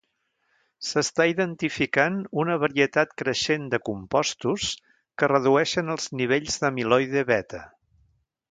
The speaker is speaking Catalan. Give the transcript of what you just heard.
S'està identificant una varietat creixent de compostos que redueixen els nivells d'amiloide beta.